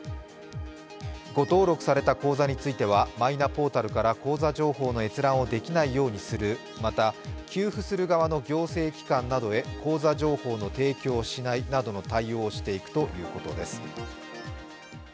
誤登録された口座についてはマイナポータルから口座情報の閲覧をできないようにする、また、給付する側の行政機関などへ口座情報の提供をしないなどの対応をしていくということです。